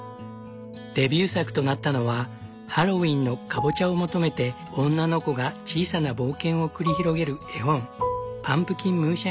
デビュー作となったのはハロウィーンのかぼちゃを求めて女の子が小さな冒険を繰り広げる絵本「パンプキンムーンシャイン」だった。